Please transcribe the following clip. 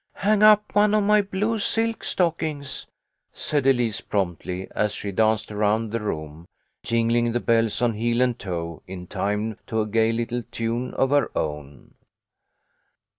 " Hang up one of my blue silk stockings," said Elise, promptly, as she danced around the room, jingling the bells on heel and toe in time to a gay little tune of her own.